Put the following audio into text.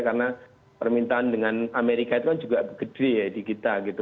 karena permintaan dengan amerika itu kan juga gede ya di kita gitu